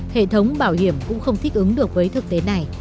hệ thống bảo hiểm cũng không thích ứng được với thực tế này